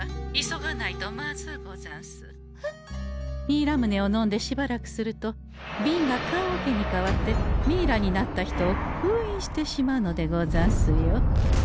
ミイラムネを飲んでしばらくするとビンが棺桶に変わってミイラになった人を封印してしまうのでござんすよ。